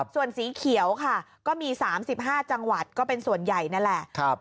ส่วนสีเขียวค่ะก็มี๓๕จังหวัดก็เป็นส่วนใหญ่นั่นแหละ